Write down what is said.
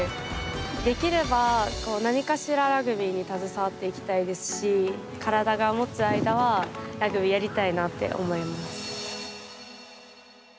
できれば、何かしらラグビーに携わっていきたいですし体がもつ間はラグビーやりたいなって思います。